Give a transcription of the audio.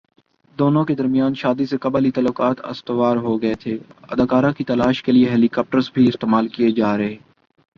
دونوں کے درمیان شادی سے قبل ہی تعلقات استوار ہوگئے تھےاداکارہ کی تلاش کے لیے ہیلی کاپٹرز بھی استعمال کیے جا رہے